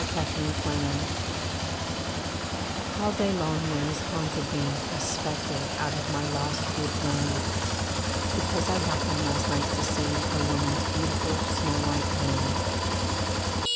A WOMAN'S HAND All day long there has haunted me A spectre out of my lost youth land. Because I happened last night to see A woman's beautiful snow white hand.